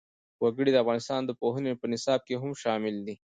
وګړي د افغانستان د پوهنې په نصاب کې هم شامل دي.